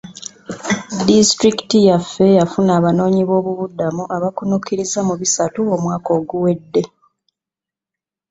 Disitulikiti yaffe yafuna abanoonyi bobubuddamo abakunukiriza mu bisatu omwaka oguwedde.